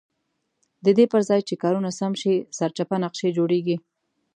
ددې پرځای چې کارونه سم شي سرچپه نقشې جوړېږي.